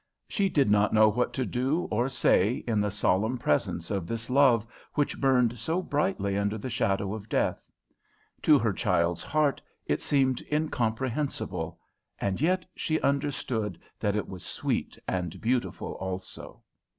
She did not know what to do or say in the solemn presence of this love which burned so brightly under the shadow of death. To her child's heart it seemed incomprehensible, and yet she understood that it was sweet and beautiful also.